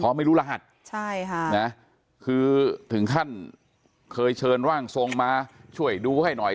เพราะไม่รู้รหัสใช่ค่ะนะคือถึงขั้นเคยเชิญร่างทรงมาช่วยดูให้หน่อย